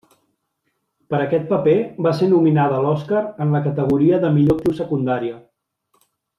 Per aquest paper, va ser nominada a l'Oscar en la categoria de millor actriu secundària.